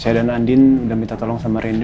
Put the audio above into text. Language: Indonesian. saya dan andi sudah minta tolong sama rendy